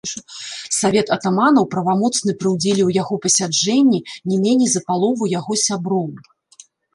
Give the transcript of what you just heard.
Савет атаманаў правамоцны пры ўдзеле ў яго пасяджэнні не меней за палову яго сяброў.